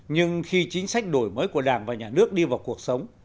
nhưng khi chính sách đổi mới của đảng và nhà nước đi vào cuộc sống